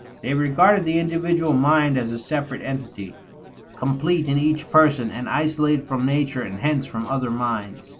They regarded the individual mind as a separate entity, complete in each person, and isolated from nature and hence from other minds.